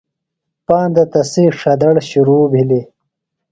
پاندہ تسی ݜدڑ شِرو بِھلیۡ۔